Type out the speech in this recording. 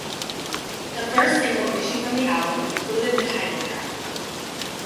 The first single issued from the album included the title track.